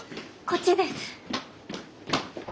こっちです。